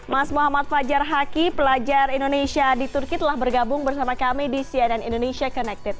mas muhammad fajar haki pelajar indonesia di turki telah bergabung bersama kami di cnn indonesia connected